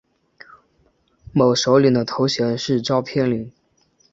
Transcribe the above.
其首领的头衔是召片领。